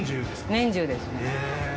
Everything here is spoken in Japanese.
年中ですね。